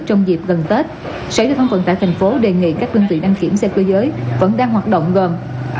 trong dịp gần tết sở giao thông vận tải tp hcm đề nghị các đơn vị đăng kiểm xe cơ giới vẫn đang hoạt động gần